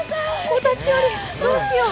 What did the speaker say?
お立ち寄り、どうしよう。